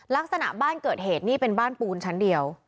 ลักษณะบ้านเกิดเหตุนี่เป็นบ้านปูนชั้นเดียว